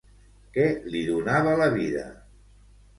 Què li donava la vida?